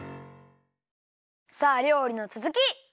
さありょうりのつづき！